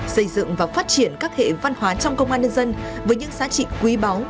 xây dựng và phát triển các hệ văn hóa trong công an nhân dân với những giá trị quý báu